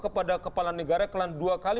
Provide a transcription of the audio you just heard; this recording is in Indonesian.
kepada kepala negara kelan dua kali